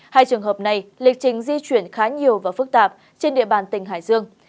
hai trường hợp này lịch trình di chuyển khá nhiều và phức tạp trên địa bàn tỉnh hải dương